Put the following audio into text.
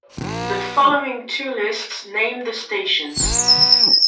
The following two lists name the stations.